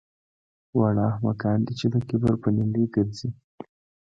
واړه احمقان دي چې د کبر په نیلي ګرځي